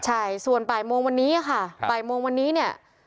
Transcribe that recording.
ใช่ส่วนบ่ายโมงวันนี้ค่ะบ่ายโมงวันนี้เนี่ย